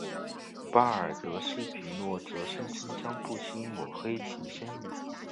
巴尔德斯皮诺则声称将不惜抹黑其声誉。